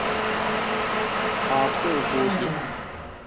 他痛哭起来